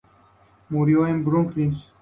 Murió de bronquitis.